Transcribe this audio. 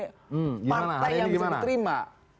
partai yang bisa diterima